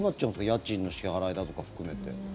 家賃の支払いだとか含めて。